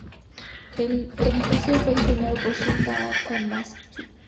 El edificio fue diseñado por Shin Takamatsu.